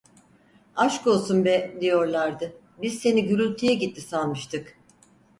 "Aşkolsun be" diyorlardı, "biz seni gürültüye gitti sanmıştık…"